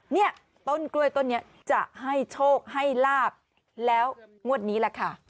เนี่ยต้นกล้วยต้นนี้จะให้โชคให้ลาบแล้วงวดนี้แหละค่ะ